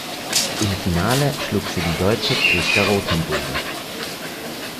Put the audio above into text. Im Finale schlug sie die deutsche Christa Rothenburger.